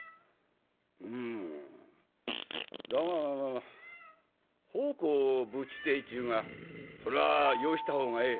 うんだが奉公をぶちてえっちゅうがそれはよしたほうがええ。